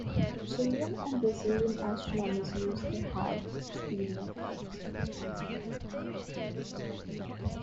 Chilean and Brazilian astronomers use their high-speed networks.